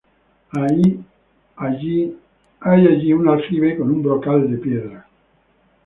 Hay allí un aljibe con un brocal de piedra.